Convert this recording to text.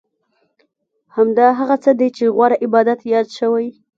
همدا هغه څه دي چې غوره عبادت یاد شوی.